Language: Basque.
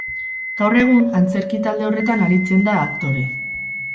Gaur egun, antzerki talde horretan aritzen da, aktore.